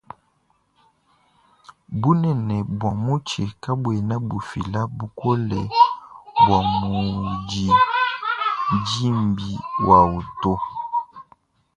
Bunene bua mutshi kabuena bufila bukole bua mundi dimbi wawuto.